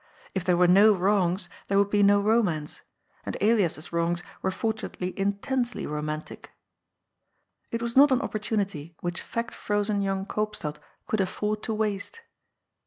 If there were no wrongs, there would be no romance. And Elias's wrongs were fortunately intensely romantic. It was not an opportunity which fact frozen young Koopstad could afford to waste.